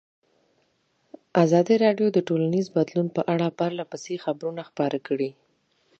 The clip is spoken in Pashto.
ازادي راډیو د ټولنیز بدلون په اړه پرله پسې خبرونه خپاره کړي.